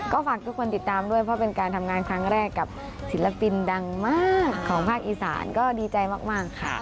ก็ฝากทุกคนติดตามด้วยเพราะเป็นการทำงานครั้งแรกกับศิลปินดังมากของภาคอีสานก็ดีใจมากค่ะ